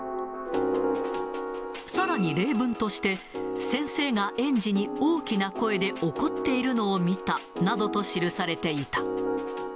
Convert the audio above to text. さらに例文として、先生が園児に大きな声で怒っているのを見たなどと記されていた。